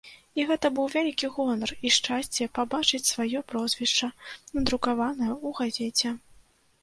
І гэта быў вялікі гонар, і шчасце пабачыць сваё прозвішча, надрукаванае ў газеце.